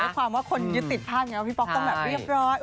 แต่ด้วยความว่าคนยึดติดภาพพี่ป๊อกต้องแบบเรียบร้อย